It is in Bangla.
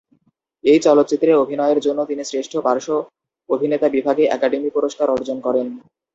এই চলচ্চিত্রে অভিনয়ের জন্য তিনি শ্রেষ্ঠ পার্শ্ব অভিনেতা বিভাগে একাডেমি পুরস্কার অর্জন করেন।